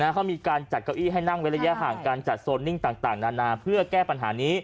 เขามีการจัดเก้าอี้ให้นั่งเว้นระยะห่างการจัดโซนนิ่งต่างนานาเพื่อแก้ปัญหานี้